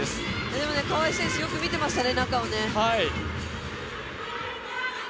でも川井選手、よく中を見てましたね。